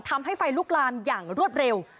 ทำให้ไฟลุกลามอย่างรวดเร็ว